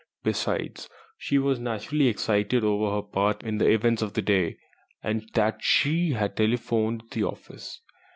Besides, she was naturally excited over her part in the events of the day. And then she had telephoned the office.